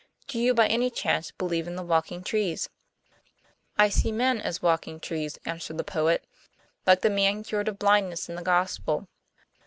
Do you, by any chance, believe in the walking trees?" "I see men as trees walking," answered the poet, "like the man cured of blindness in the Gospel.